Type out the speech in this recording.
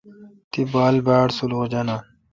تی بال باڑسلخ جانان۔